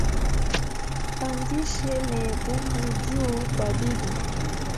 Mpandishe Mehebubu juu kwa bibi